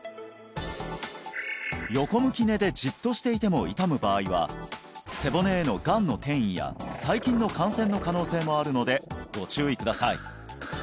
横向き寝でじっとしていても痛む場合は背骨へのがんの転移や細菌の感染の可能性もあるのでご注意ください